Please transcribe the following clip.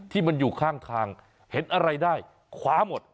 ที่มันอยู่ข้างทางเห็นอะไรได้คว้าหมด